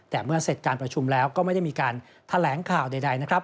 แต่เมื่อเสร็จการประชุมแล้วก็ไม่ได้มีการแถลงข่าวใดนะครับ